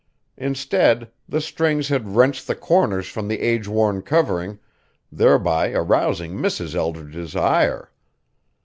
Instead the strings had wrenched the corners from the age worn covering, thereby arousing Mrs. Eldridge's ire.